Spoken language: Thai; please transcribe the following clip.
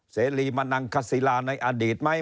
เสรีมนังคศิลาในอดีตไหม